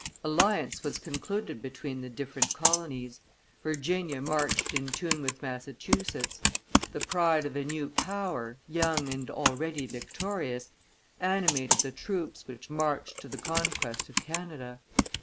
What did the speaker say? Alliance was concluded between the different colonies; Virginia marched in tune with Massachusetts; the pride of a new power, young and already victorious, animated the troops which marched to the conquest of Canada.